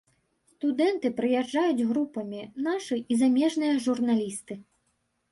Студэнты прыязджаюць групамі, нашы і замежныя журналісты.